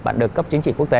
bạn được cấp chính trị quốc tế